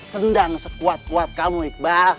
tendang sekuat kuat kamu iqbal